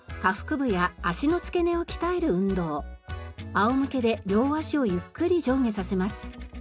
仰向けで両足をゆっくり上下させます。